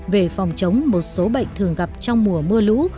về phòng chống một số bệnh thường gặp trong mùa mưa lũ